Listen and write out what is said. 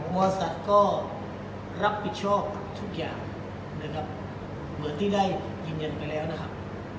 บริษัทก็รับผิดชอบทุกอย่างนะครับเหมือนที่ได้นำเงินไปแล้วนะครับ